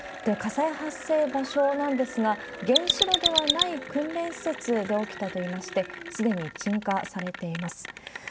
火災発生場所なんですが、原子炉ではない訓練施設で起きたといいまして、すでに鎮火されています。